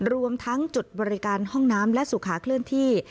รวมทั้งจุดบริการห้องน้ำและสุขาเคลื่อนที่